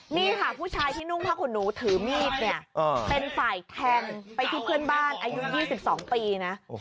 นี่ค่ะผู้ชายที่นุ่งผ้าขนหนูถือมีดเนี่ยเป็นฝ่ายแทงไปที่เพื่อนบ้านอายุ๒๒ปีนะ